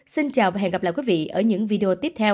xin chào và hẹn gặp lại quý vị ở những video tiếp theo